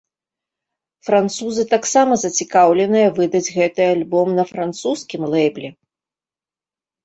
Французы таксама зацікаўленыя выдаць гэты альбом на французскім лэйбле.